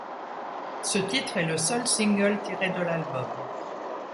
Ce titre est le seul single tiré de l'album.